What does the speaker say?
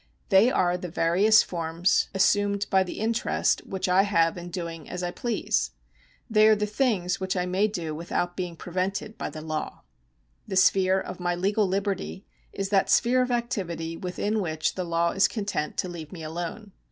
They are the various forms assumed by the interest which I have in doing as I please. They are the things which I may do without being prevented by the law. The sphere of my legal liberty is that sphere of activity within which the law is content to leave me alone.